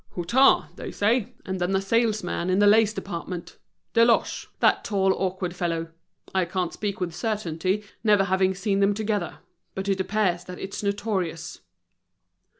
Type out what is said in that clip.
"Hutin, they say, and then a salesman in the lace department—Deloche, that tall awkward fellow. I can't speak with certainty, never having seen them together. But it appears that it's notorious."